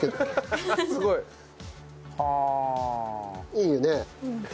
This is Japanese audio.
ハハハすごい。はあ。いいよね？